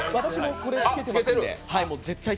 私もこれ、つけてますんで。